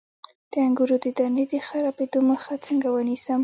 د انګورو د دانې د خرابیدو مخه څنګه ونیسم؟